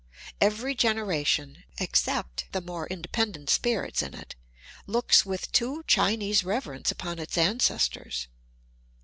Eveiy generation, except the more independent spirits in it, looks with too Chinese reverence upon its ancestors.